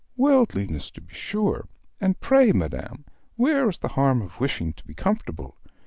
Worldliness, to be sure; and pray, madam, where is the harm of wishing to be comfortable?